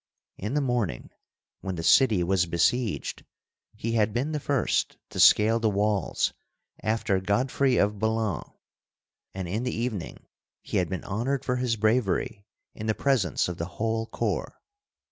In the morning, when the city was besieged, he had been the first to scale the walls after Godfrey of Boulogne; and in the evening he had been honored for his bravery in the presence of the whole corps.